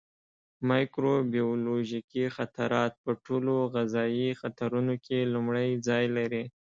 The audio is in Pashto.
مایکروبیولوژیکي خطرات په ټولو غذایي خطرونو کې لومړی ځای لري.